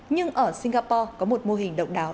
nhưng ở singapore có một mô hình động đáo